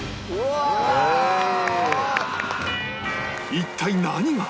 一体何が！？